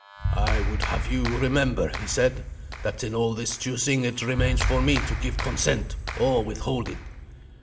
"I would have you remember," he said, "that in all this choosing it remains for me to give consent or withhold it."